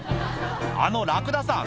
あのラクダさん